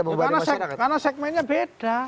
karena segmennya beda